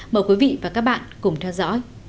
mời quý vị và các bạn cùng theo dõi